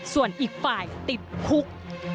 ส่วนอีกฝ่ายติดคุก